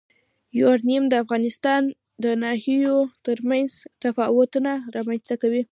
یورانیم د افغانستان د ناحیو ترمنځ تفاوتونه رامنځ ته کوي.